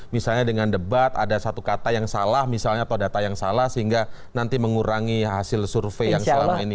misalnya dengan debat ada satu kata yang salah misalnya atau data yang salah sehingga nanti mengurangi hasil survei yang selama ini